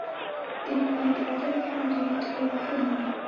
د پوهنې په ډګر کې احمد ډېرې تورې وهلې دي.